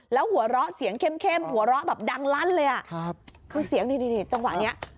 แล้วหัวเราะเสียงเข้มเข้มหัวเราะแบบดังลั่นเลยอ่ะครับคือเสียงนี่นี่จังหวะเนี้ย